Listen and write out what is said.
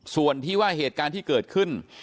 ส่วนที่ว่าเหตุการณ์ที่เกิดขึ้น